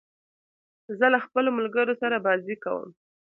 زه له خپلو ملګرو سره بازۍ کوم.